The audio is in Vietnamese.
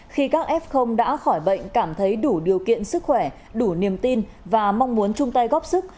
khi các f đã khỏi bệnh cảm thấy đủ điều kiện sức khỏe đủ niềm tin và mong muốn chung tay góp sức